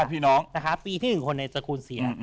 ปีที่หนึ่งคนในตระกูลเสีย